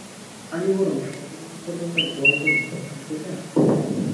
আমি বরং স্বপ্ন সম্পর্কে একটা গল্প বলি-শুনতে চান?